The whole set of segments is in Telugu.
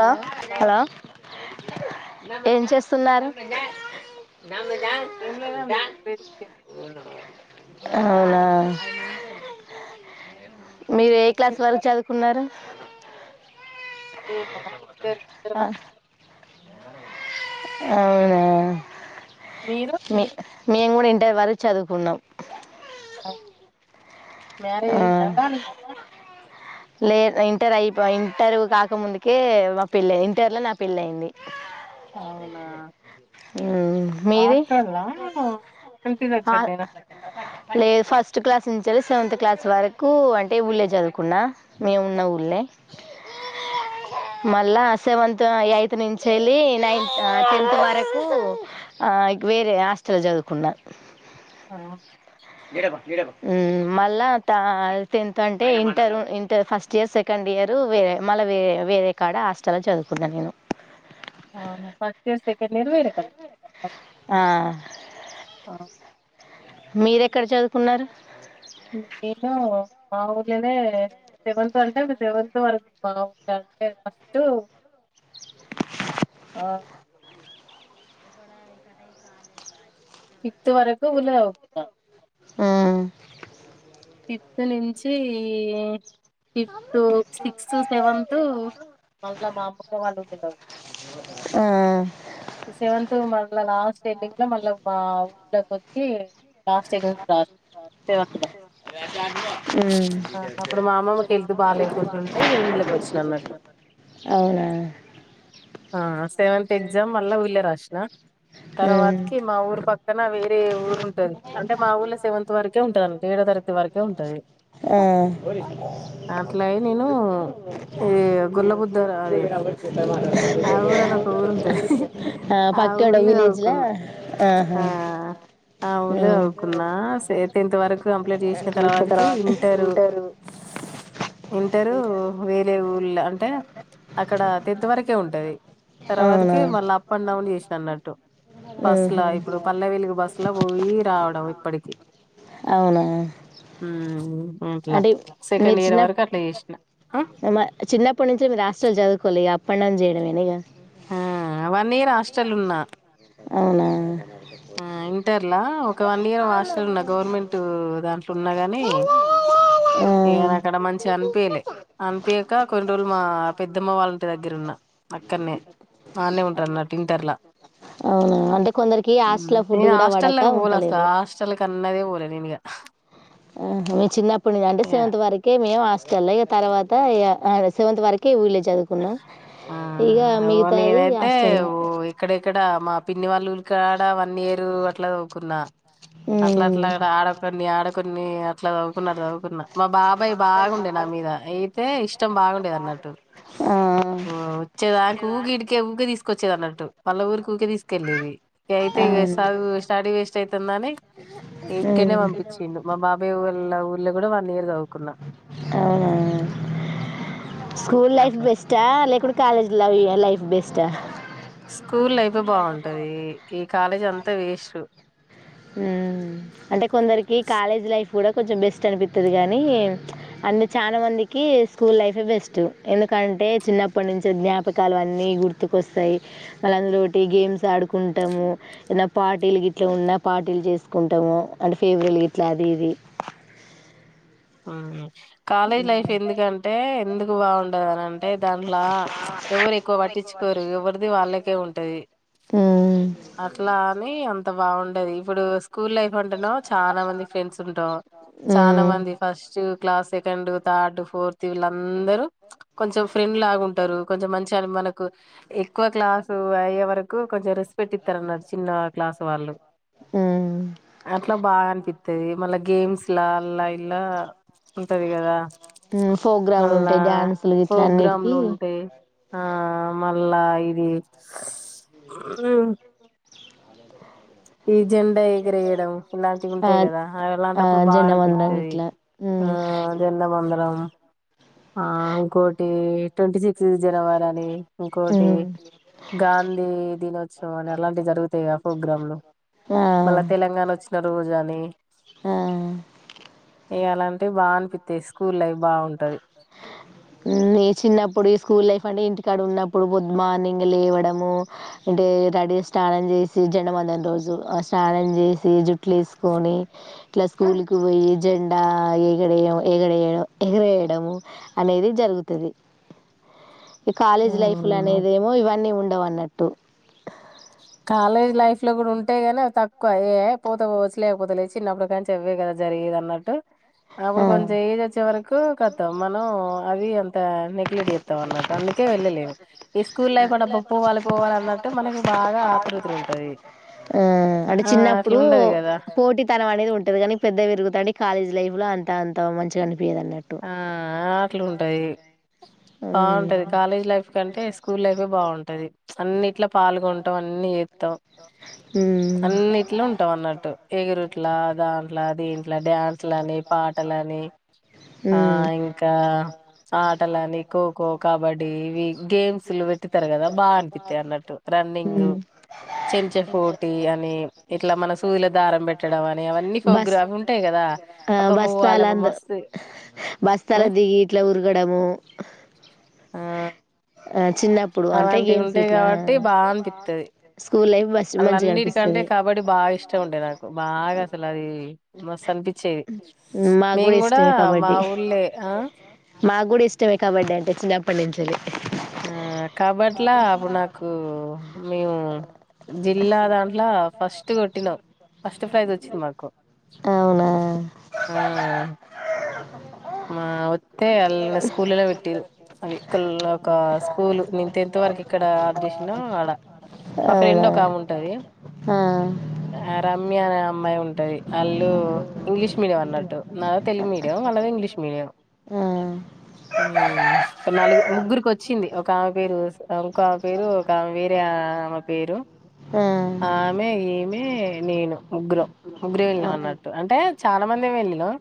హలో హలో ఏం చేస్త తున్నారు అమ్మ దా ఏం లేదండి దా ఇప్పుడే చేస్- అవునా మీరు ఏ ఏం క్లాస్ చేస్తారు వరకు చదువుకున్నారు [unintelligible] ఏవ ఆ [unintelligible] అవునా మీరు మీ మేము కూడా ఇంటర్ వరకు చదువుకున్నాం అ మ్యారేజ్ ఆ అయ్యిందా దాని లే ఇంటర్ అయిపో ఇంటర్ కాకముందుకే మా పెళ్లి ఇంటర్ లో నా పెళ్లి అయింది అవునా మీది హాస్టలా లేకుంటే ఇంటి ఆ దగ్గరనేనా లేదు ఫస్ట్ క్లాస్ నుంచి సెవెంత్ క్లాస్ వరకు అటే ఉల్లా చదువుకున్న మేమున్న ఊళ్ళే మళ్ళా సెవెంత్ ఎయిత్ నుంచి వెళ్ళి నైన్త్ టెన్త్ వరకు ఆ ఇక వేరే హాస్టల్ చదువుకున్నా ఆ ఉ మళ్ళా ఆ తింతంట అంటే inter inter first year second year వేరే మల్ల వేరే కాడ హాస్టల్లో చదువుకున్నా నేను ఆ ఫస్ట్ ఇయర్ సెకండ్ ఇయర్ వెనకన ఆ ఆ మీరు ఎక్కడ చదువుకున్నారు నేను మా ఊర్ళనే సెవెంత్ అంటే సెవెంత్ వరకు మా ఊర్ళ అంటే ఫస్ట్ ఆ ఇ త్ వరకు ఊళ్లో చదువుకున్న ఆ ఫిఫ్త్ నుంచి ఫిఫ్త్, సిక్స్త్, సెవెన్త్ మళ్ళా మా అమ్మగా వాళ్ళు ఉందిగా ఆ సెవెన్ మళ్ళా లాస్ట్ ఎడింగ్ లో మళ్ళా మా ఊళ్ళకి వచ్చి లాస్ట్ ఎడింగ్ రాస్తవ్ లా మా ఉ అమ్మమ్మకి హెల్త్ బాగాలేకుంటుంటే ఊళ్ళకి వచ్చిన అన్నట్టు అవునా ఆ సెవెంత్ ఎగ్జామ్ మల్ల వెళ్ళీ రాసిన ఉమ్ తర్వాతకి మా ఊరు పక్కన వేరే ఊరు ఉంటది అంటే మా ఊర్లో సెవెంత్ వరకే ఉంటద ఏడో తరగ తి వరకే ఉంటాది ఆ అట్లాయి నేను ఈ గుల్లబుద్ద అది ఆ ఊరు అని ఒక ఊరు ఉంటాది ఆ పక్కడ ఊర్లో విలేజ్లా చదువుకున్న ఆహా ఆ ఊర్లో ఉమ్ చదువుకున్న సే టెన్త్ వరకు కంప్లీట్ తర్వాతకి ఇంటరు ఇంటరు వేరే ఊ లా అంటే అక్కడ టెన్త్ వరకే ఉంటది అవునా తర్వాతకి మళ్ళీ అప్ అండ్ డౌన్ చేసి అన్నట్టు బస్సులా ఊహు ఇప్పుడు పల్లె వెలుగు బస్సు ట్లా పోయి రావడం ఇప్పటికి అవునా ఉ అంటే మీరు చిన్నప్ చేసిన ఆ చిన్నప్పటి నుంచి మీరు హస్టల్ చదువుకోవాలి ఇంకా. పనండమ్ చేయడంమనే ఇగ ఆ వన్ ఇయర్ హాస్టల్ ఉన్నా అవునా ఆ ఇంటర్లా ఒక వన్ ఇయర్ హాస్టల్ ఉన్నా గవర్నమెంట్ దాంట్లో ఉన్నా కాని ఆ ఈన అక్కడ మంచిగా అనిపయలే అనిపయాక కొన్ని రోజులు మా పెద్దమ్మ వాళ్ళంటి దగ్గర ఉన్న, అక్కనే ఆన్నే ఉంటారు అన్నట్టు ఇంటర్లా అంట నేను హాస్టల్లోకి పొలా సర్ ఉంటలేరు హాస్టల్ కి అన్నదే పో దనినుగా మీము చిన్నప్పడు నుంచి అంటే సెవంత్ వరకే మేము హస్ ల్ [unintelligible] తర్వాత ఇక సెవెంత్ వరకే విలేజ్ ఆ మిగతాది నేనైతే హాస్టల్నే ఓ ఇక్కడ ఇక్కడ మా పిన్ని వాళ్ళు కాడ వన్ ఇయరు అట్లా చవ్వుకున్నా అట్లా మ్మ్ అట్లా ఇడ ఆడకండి ఆడక్ కొన్ని అట్లా చదు్వుకున్నా చదువుకున్నా మా బాబాయ్ బాగుండే నా మీద అయితే ఇష్టం బాగుండేది అన్నట్టు ఆ వొ వచ్చేదానికి ఊగి ఇడికే ఉరికే తీసుకొచ్చేది అన్నట్టు మాళ్ళ ఊరికి ఊకే తీసుకెళ్ళేది అయితే అవును చదువు స్టడీ వేస్ట్ అయితుందని ఇక్కకనే మ్మ్ పంపించిండు మా బాబాయ్ వాళ్ళ ఊర్లో కూడా వాళ్ళ కొన్నా అవునా స్కూల్ లైఫ్ బెస్టా లేకుంటే కాలేజ్ ల లైఫ్ బెస్ట్ స్టా స్కూల్ లైఫ్ బాగుంటది ఈ కాలేజీ అంతా వేస్ట్ వు అంటే కొందరికి కాలేజ్ లైఫ్ కూడా కొంచెం బెస్ట్ అనిపిస్తుంది కానీ, అన్నే చాలా మందికి స్కూల్ లైఫే బెస్ట్ ఎందుకంటే చిన్నప్పటి నుంచి జ్ఞాపకాలు అన్నీ గుర్తుకొస్తాయి మళ్ళ అందులోటి గేమ్స్ ఆడుకుంటాము ఏదనా పార్టీల ఇట్లా ఉన్న పార్టీలు చేసుకుంటాము అంటే ఫేవరెల్ గీట్లా అది ఇది ఉ కాలేజ్ లైఫ్ ఎందుకంటే ఎందుకు బాగుండదు అని అంటే దాంట్లో ఎవరు ఎక్కువ పట్టించుకోరు ఎవరిది వాళ్ళకే ఉంటది ఉమ్, అట్లా అని అంత బావు ఉంటాది ఇప్పుడొస్ స్కూల్ లైఫ్ ఉంటున్నవ్ చాలా మంది ఫ్రెండ్స్ ఉంటాం చాలా ఉమ్, మంది first class second third fourth వీళ్ళందరూ కొంచెం ఫ్రెండ్ లాగా ఉంటారు కొంచెం మంచి కాని మనకు ఎక్కువ క్లాసు అయ్యే వరకు కొంచెం రిస్క్ పెట్టిత్తారన్నారు చిన్న క్లాస్ వాళ్ళు ఉమ్, అట్లా బాగా అనిపిత్తాది మళ్ళా గేమ్స్ అల్ల ఇల్ల ఉంటది కదా ఉమ్, ప్రోగ్రాంలు మళ్ళా ఉంటాయి డ్యాన్సులు ఇట్లా ప్రోగ్రామ్లు అన్నిటికీ ఉంటాయి ఆ మళ్ళా ల్ల ఇది ఈ జెండా ఎగిరేయడం ఇలాంటివి ఆ ఉంటాయి కదా అవి ఆ ఎలాంటప్పుడు బాగా జనమందరం అనిపిత్తది ఇట్లా ఆ మ్మ్ జెండా వందనం ఆ ఇంకోటి ట్వంటీ సిక్స్ జనవరి అని ఇంకోటి మ్మ్ గాంధీ దినోత్సవం అని అలాంటివి జరుగుతాయి ప్రోగ్రాంలు ఆ మళ్ళా తెలంగాణ వచ్చిన రోజు అని ఆ ఇగలాంటివి బాగా అనిపిత్తయి స్కూల్ లైఫ్ బాగుంటది చిన్నప్పుడు ఈ స్కూల్ లైఫ్ అంటే ఇంటికాడ ఉన్నప్పుడు బొదు మార్నింగ్ లేవడము అంటే రెడీ స్నానం జేసి జెండ వందనం రోజు ఆ స్నానం చేసి జుట్లు వేసుకొని ఇట్లా స్కూల్కి పోయి జెండా ఎగడేయడం ఎగడేయడం ఎగరేయడ అనేది జరుగుతుంది ఈ కాలేజ్ లైఫ్ లో ఉమ్ అనేది ఏమో ఇవన్నీ ఉండ ఇంటవన్నట్టు కాలేజ్ లైఫ్ ఇట్లో గూడా ఉంటాయ్ గానీ అవి తక్కువ ఏ పోతే పోవచ్చు లే లేకపోత లే చిన్నప్పుడు కానీ చెవ్వే కదా జరిగగిది అన్నట్టు అప్పుడు కొంచెం ఆ ఏజ్ వచ్చే వరకు కతాం మనం అది అంత నెగ్లెక్ట్ చేత్తం అన్నట్టు అందుకే వెళ్ళలేము ఈ స్కూల్ లైఫ్ డబ్బ పోవాలి పోవాలి అన్నట్టు మనకు బాగా ఆతృతలు ఉంటది ఆ అంటే ఆ అట్లా చిన్నప్పుడు ఉండదు గదా పోటీతనం అనేది ఉంటది కానీ పెద్ద విరుగుతతుండి కాలేజ్ లైఫ్ ఉలాన్ అంత మంచిగా అని ఆ అట్లుంటది ఉమ్ బాగుంటది కాలేజ్ లైఫ్ కంటే స్కూల్ లైఫే బాగుంటది ప్చ్ అన్నీట్ల పాల్గొటం అన్నీ చేత్తం ఉమ్ అన్నీట్ల ఉంటాం అన్నట్టు ఎగురుట్లా దాంట్ల దీంట్ల డ్యాన్స్ లనీ పా [inaudible] ఆ ఇంకా ఆటలనీ ఖోఖో, కబడ్డీ ఇవి గేమ్స్లు పెట్టుతరు కదా బాగ అనిపిత్తయి అన్నట్టు రన్నింగ్, ఉమ్ చెంచ పోటీ అనీ ఇట్లా మన సూదిలా దారం పెట్టడం అని అవన్నీ బస్ ఫోగ్రాం ఉంటాయి కదా ఆ అబబ పోవాలమ్మ బస్తాలంద మస్త్ బస్తాల దిగి ఇట్ల ఉరగడము ఆ ఆ చిన్నప్పుడు అంటే అలాంటివి గేమ్స్ ఇట్లా స్కూల్ లైఫ్ బస్ మంచిగా అళ్లన్నిటి కంటే అనిపిస్తది కబడ్డీ బాగ ఇష్టం ఉండే నాకు బాగా అసలు అది మస్తు అనిపించేది మా గూడ మేము కూడా ఇష్టమే మా కబడ్డీ ఊళ్ళే ఆ మా గూడ ఇష్టమే కబడ్డీ అంటే చిన్న ప్పనుంచెల్లి ఆ కాబట్లా అప్పుడు నాకు మేము జిల్లా దాంట్లో ఫస్ట్ కొట్టినాం ఫస్ట్ ప్రైజ్ వచ్చింది మాకు అవునా ఆ మా వత్తే అళ్ళ స్కూల్లనే పెట్టిరు అది కల్ల ఒక స్కూల్ నేను టెన్త్ వరకు ఎక్కడ ఆప్ చేసిన్నో ఆడ మా ఫ్రెండ్ అవునా ఒకమే ఉంటది ఆ ఆ రమ్య అనే అమ్మాయి ఉం టది ఆళ్ళు ఇంగ్లీష్ మీడియం అన్నట్టు నాది తెలుగు మీడియం వాళ్ళది ఇంగ్లీష్ మ్మ్ ఆ నలుగు ముగ్గురికి వచ్చింది ఒకామమ పేరు ఇంకో ఆమె పేరు ఒకామే వేరే ఆమె పేరు ఆ ఆమె ఈమె నేను ముగ్గురం ముగ్గురు వెళ్ళినం అన్నట్టు ఆ అంటే చాల మం దే వెళ్ళినం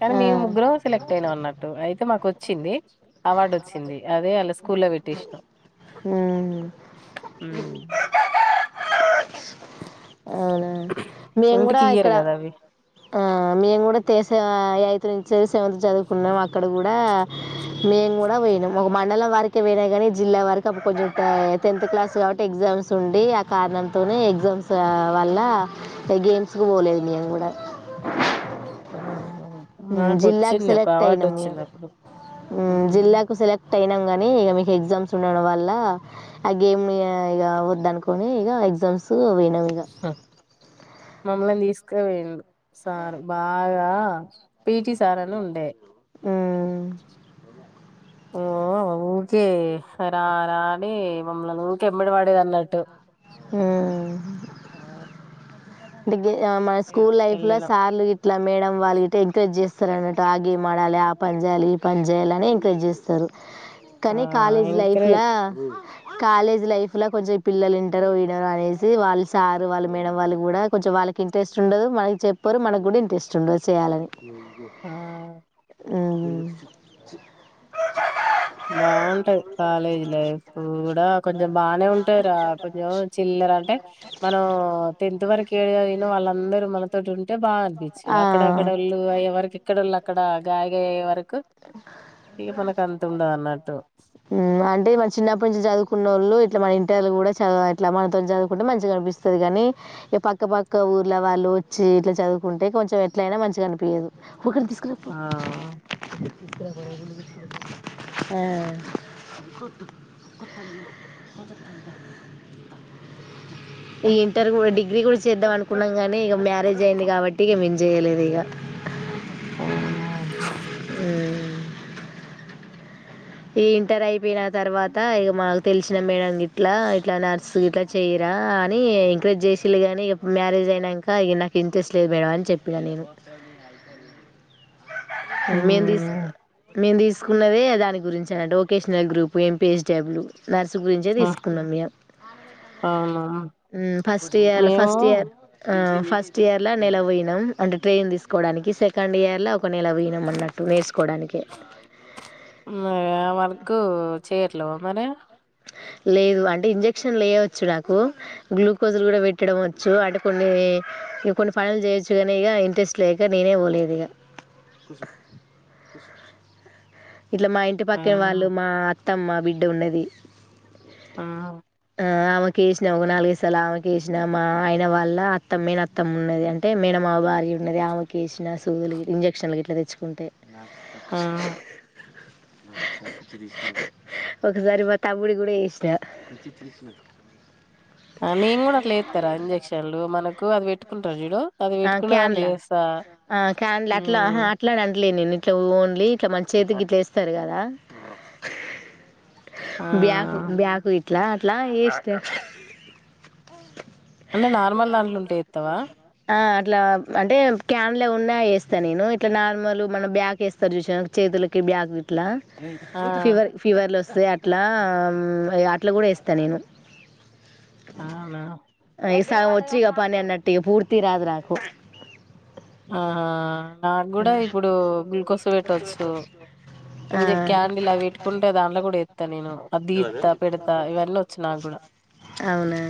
కానీ ఆ మేము ముగ్గురం సెలెక్ట్ ట్టు అయినట్టు అయితే మాకు వచ్చింది అవార్డు వచ్చింది అదే ఆల్ల స్కూల్ల పెట్టేసినం ఉమ్ అవునా మేము గూడ ఇంటికి ఇయ్యరు ఇక్కడ కదా అవి ఆ మేము గూడ తేసే అయి త్రెంచేది సెవెంత్ చదువుకున్నాము అక్కడ కూడా మేము కూడా పోయినాము ఒక మండలం వరకి పోయినా కానీ జిల్లా వారికి అడు కొంచెం టెన్త్ క్లాస్ కాబట్టి ఎగ్జామ్స్ ఉండి ఆ కారణంతోనే ఎగ్జామ్స్ వల్ల గేమ్స్ కి పోలేదు మేము కూడ ఆ జిల్లాకు సెలెక్ట్ అయినా మీ వచ్చింది అప్పుడు మ్మ్ జిల్లాకు సెలెక్ట్ అయిన కానీ ఇ మీ ఎగ్జామ్స్ ఉండడం వల్ల ఆ గేమ్ ఇ వద్ అనుకని ఇ ఎగ్జామ్స్ నవగా మమ్మల్ని తీసుకవేడు సార్ బాగా పిటి సార్ను ఉండే ఆ ఊకే రా రాని మమ్మల్ని ఊకే ఎమ్మడి వాడేది అన్నట్టు అట్ ఆ ఆ దగ మన స్కూల్ లైఫ్ లో వెళ్ళినాం సార్లు గ ఇట్లా మేడం వాళ్ళు ఎంకరేజ్ చేస్తారు అన్నట్టు ఆగేం ఆడాలి ఆ పని చేయాలి ఏ పని చేయాలిని ఎంకరేజ్ చేస్తారు ఆ కానీ కాలేజ్ ఎంకరేజ్ లైఫ్లో కాలేజ్ లైఫ్ లో కొంచెం పిల్లలు ఇంటారు పోయన అనేసి వాళ్ళ సారు వాళ్ళు మేడం వాళ్ళు కూడా కొంచెం వాళ్ళకి ఇంట్రెస్ట్ ఉండదు మనకి చెప్పరు మనకు కూడా ఇంట్రస్ట్ ఉండదు చేయాలని ఆ య ఆ బాగుంటాది కాలేజీ లైఫ్ కూడా కొంచెం బానే ఉంటరా కొంచెం చిల్లర అంటే మనం టెన్త్ వరకు నా వాళ్ళందరూ మనతోటి ఉంటే బాగా అనిపించి ఆ అక్కడక్కడళ్ళు ఎవరికి ఎక్కడళ్ళు అక్కడ గాయగాయ వరకు ఇక మనకంత అంటే మన చిన్నప్పటి నుంచి చదువుకున్న వాళ్ళు ఇట్లా మన ఇంటర్లు కూడా చ ఇట్లా మనతో చదువుకుంటే మంచిగా కనిపిస్తుంది కాని పక్క పక్క ఊర్ల వాళ్ళు వచ్చి ఇట్లా చదువుకుంటే కొంచెం ఎట్లయినా మంచిగా కనిపించదు వక తీస్కప్పు ఆ ఈ ఇంటర్ డిగ్రీ కుడి ఏద్ద కున్నా గా ఇక మ్యారేజ్ అయింది కాబట్టిక మించ జయలలిగా ఆమె హమ్ ఈ ఇంటర్ అయిపోయిన తర్వాత ఇ మా తెలిసినా మేడం ఇట్లా ఇట్లా నర్స్ ఇట్లా చెయ్యరా అని ఎంకరేజ్ చేసలే కానీ మ్యారేజ్ అయినాక ఇ నాకు ఇంట్రెస్ట్ లేదు మేడం అని చెప్పినా నేను మెస్ హ్మ్ మెందస్ తీకున్నదే దానికి గురించి డొకేషనల్ గ్రూప్ ఎంపిహెచ్డబ్ల్యూ నర్స్ గురించే తీసుకున్నం మేము అవును హ్మ్ ఫస్ట్ ఇయర్ మేము ఫస్ట్ ఇయర్ ఫస్ట్ ఇయర్ల నెల పోయినాం అంటే ట్రైన్ తీసుకోవడానికి సెకండ్ ఇయర్ల ఒక నెల పోయినాం అన్నట్టు నేర్చుకోవడానికి ఆ మనకు చేయట్ల ఓ మరి లేదు అంటే ఇంజెక్షన్ లేయవచ్చు నాకు గ్లూకోజ్లు కూడా పెట్టడం వచ్చు అంటే కొన్ని ఇ కొన్ని పనులు చేయొచ్చు కానీ ఇగ ఇంట్రెస్ట్ లేక నేనే పోలేదు ఇగ ఇట్ల మా ఇంటి ఆ పక్కయ వాళ్ళు మా అ త్తమ్మ బిడ్డ ఉన్నది ఆ ఆ ఆమెకి వేసిన ఒక నాలుగైదు సార్ల ఆమెకి వేసిన మా ఆయిన వాళ్ళ అత్త మేన అత్తమ్మ ఉన్నది అంటే మేన మామ భార్య ఉన్నది ఆమెకి వేసిన సూదులు గ ఇంజక్షన్లు గిట్ల తెచ్చుకుంటే ఆ ఒగసారి మా త మ్ముడి కూడ ఏషిన ఆ నేను కూడ అట్లెత్తరా ఇంజక్షన్లు మనకు అవి ఎట్టుకుంటరు చూడు అది ఆ పెట్టుకున్న దాంట్లో క్యాన్ల ఎస్తా ఆ క్యాన్ల అట్ల ఆహా హ్మ్ అట్లనంటలేను నేను ఇట్ల ఓన్లీ ఇట్ల మన చేతికి గిట్ల ఎస్తరు కదా ఆ బ్యాకు బ్యాకుయి ఇట్లా అట్లా ఎస్ అంటే నార్మల్ దాంట్ల ఉంటే ఎత్తవ ఆ అట్లా అంటే క్యాన్లు ఏ ఉన్నా ఏస్త నేను ఇట్లా నార్మల్ మనం బ్యాక్ వేస్తారు చూసినవా చేతులకి బ్యాక్ ఇట్ల ఆ ఫీవర్ ఫీవర్ లో వస్త్ సో అట్లా అట్ల కూడా వేస్తా నేను అవునా ఈ సగం వచ్చి పని అన్నట్టు ఇగ పూర్త్ ర్తి రాదు నాకు ఆహా నాకు కూడా హ్మ్. ఇప్పుడు గ్లూకోస్ పెట్టవచ్చు ఆ ఇంజ్ క్యాండీల్ అవి పెట్టుకుంటే దాంట్ల కూడా ఎత్త నేను అ దీత్త పెడతా ఇవన్నీ వచ్చు నాకు కూడా అవునా